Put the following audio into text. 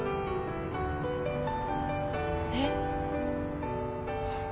えっ？